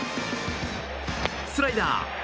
スライダー。